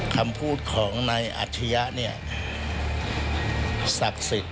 คำพูดของนายอัจฉริยะเนี่ยศักดิ์สิทธิ์